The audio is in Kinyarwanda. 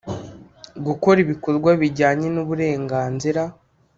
gukora ibikorwa bijyanye n’uburenganzira.